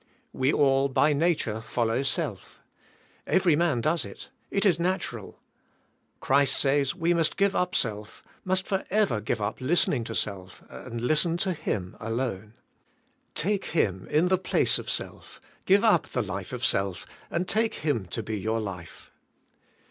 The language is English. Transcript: We all, by nature, fol low self. Kvery man does it. It is natural. Christ says we must give up self, must forever give up list ening to self, and listen to Him alone. Take Him in the place of self, give up the life of self and take Him to be your life.